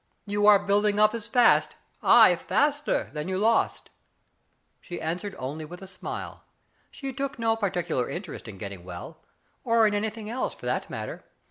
You are building up as fast — ay, faster — than you lost." She answered only with a smile. She took no particular interest in getting well, or in anything else, for that matter.